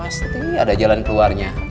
sabar semua pasti ada jalan keluarnya